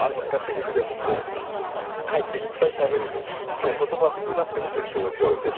セリフでもこうかえっていっぱいしゃべるよりことば少なくてむしろ表情で。